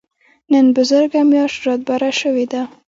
نن بزرګه مياشت رادبره شوې ده.